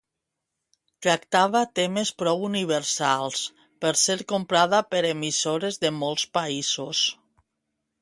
Tractava temes prou universals per ser comprada per emissores de molts països.